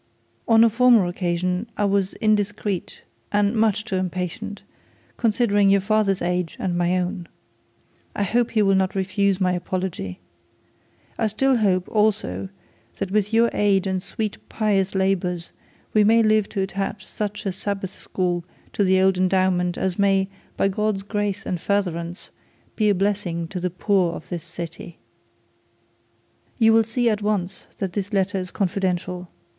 'On a former occasion I was indiscreet and much too impatient, considering your father's age and my own. I hope he will not now refuse my apology. I still hope also that with your aid and sweet pious labours, we may live to attach such a Sabbath school to the old endowment, as may, by God's grace and furtherance, be a blessing to the poor of this city. 'You will see at once that this letter is confidential.